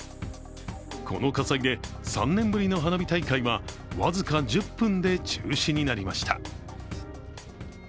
この火災で３年ぶりの花火大会は、僅か１０分で中止になりました。